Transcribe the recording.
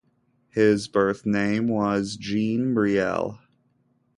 His birth name was Jean Briel.